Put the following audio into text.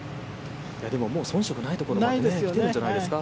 でも遜色ないところまで来ているんじゃないですか？